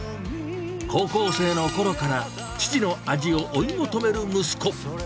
高校生のころから、父の味を追い求める息子。